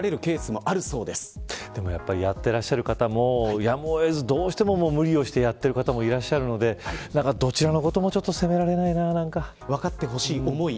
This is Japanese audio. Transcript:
やってらっしゃる方もやむを得ずどうしても無理をしてやっている方もいらっしゃるのでどちらの方も責められないな。